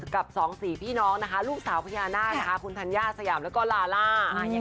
กับสองสี่พี่น้องนะคะลูกสาวพญานาคนะคะคุณธัญญาสยามแล้วก็ลาล่า